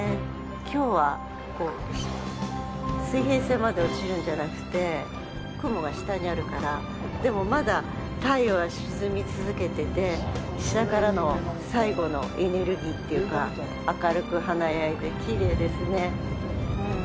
きょうは水平線まで落ちるんじゃなくて雲が下にあるからでも、まだ太陽は沈み続けてて下からの最後のエネルギーというか明るく華やいできれいですね。